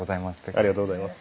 ありがとうございます。